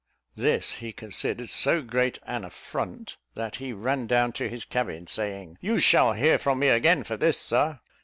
This he considered so great an affront, that he ran down to his cabin, saying, "You shall hear from me again for this, Sir."